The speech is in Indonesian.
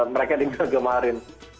mereka dimusak kemarin